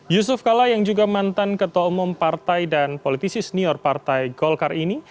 yusuf kala yang juga mantan ketua umum partai dan politisi senior partai golkar ini